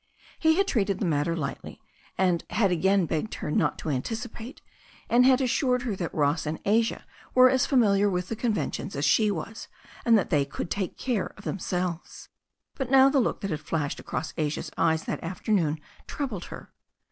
He had treated the matter lightly, had again begged her not to anticipate, and had assured her that Ross and Asia were as familiar with the conventions as she was, and that they could take care of themselves. But now the look that had flashed across Asia's eyes that afternoon troubled her.